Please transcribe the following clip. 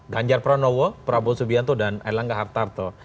gajar panawo prabowo subianto dan air langgar tarto